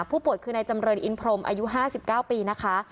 ผู้ป่วยคือนายจำเรินอินพรมอายุ๕๙ปีนะคะ